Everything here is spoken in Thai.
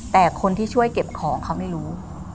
แต่คนที่ช่วยเก็บของเขาไม่รู้